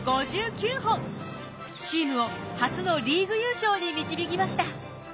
チームを初のリーグ優勝に導きました！